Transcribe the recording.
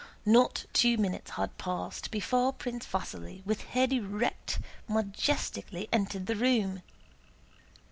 Not two minutes had passed before Prince Vasíli with head erect majestically entered the room.